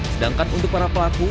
sedangkan untuk para pelaku